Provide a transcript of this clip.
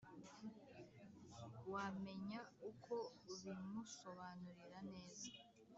wamenya uko ubimusobanurira neza